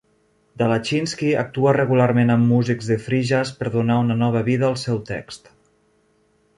Dalachinsky actua regularment amb músics de free-jazz per donar una nova vida al seu text.